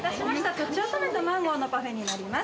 とちおとめとマンゴーのパフェになります。